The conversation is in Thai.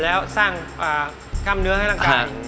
แล้วสร้างก็อ่ะกล้ามเนื้อให้หน้ากล้าม